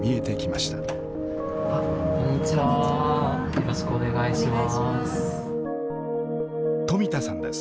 よろしくお願いします。